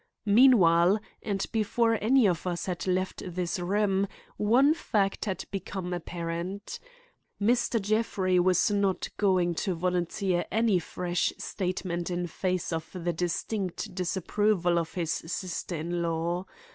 Meanwhile, and before any of us had left this room, one fact had become apparent. Mr. Jeffrey was not going to volunteer any fresh statement in face of the distinct disapproval of his sister in law.